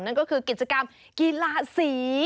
นั่นก็คือกิจกรรมกีฬาสี